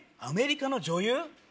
アメリカの女優？